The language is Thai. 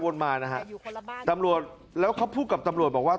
ไว้วนมานะฮะตำรวจแล้วเขาพูดกับตำรวจบอกว่า